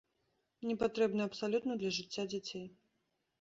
Непатрэбны абсалютна для жыцця дзяцей.